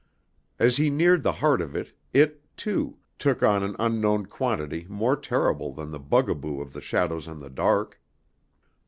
As he neared the heart of it, it, too, took on an unknown quantity more terrible than the bugaboo of the shadows and the dark.